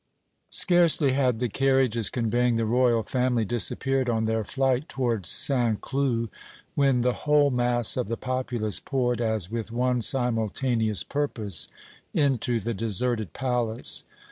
Scarcely had the carriages conveying the Royal family disappeared on their flight toward St. Cloud, when the whole mass of the populace poured as with one simultaneous purpose into the deserted palace.